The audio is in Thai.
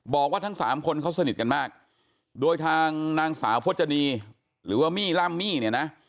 บอกว่าทั้งสามคนเขาสนิทกันมากโดยทางนางสาวพจนีหรือว่ามี่ลัมมี่เนี่ยนะ